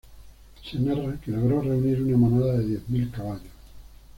Se narra que logró reunir una manada de diez mil caballos.